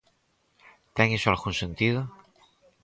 ¿Ten iso algún sentido?